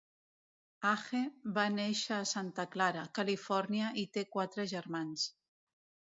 Haje va néixer a Santa Clara, Califòrnia i té quatre germans.